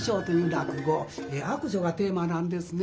「悪女」がテーマなんですね。